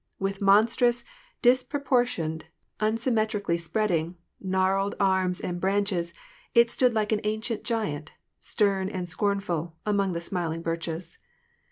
With monstrous, disproportioned, unsymmetrically spreading, gnarled arms and branches, it stood like an ancient giant, stem and scornful, among the smiling birches.